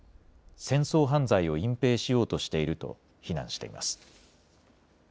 戦争犯罪を隠蔽しようとしていると非難しています。